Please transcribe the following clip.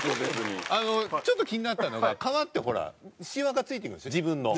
ちょっと気になったのが革ってほらシワがついてくるでしょ自分の。